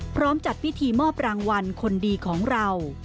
พร้อมจัดพิธีมอบรางวัลคนดีของเรา